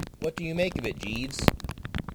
What do you make of it, Jeeves?